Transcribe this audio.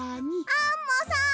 アンモさん！